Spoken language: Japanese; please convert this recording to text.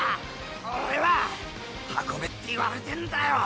オレは運べって言われてんだよ